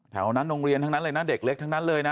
แถวนั้นโรงเรียนทั้งนั้นเลยนะเด็กเล็กทั้งนั้นเลยนะ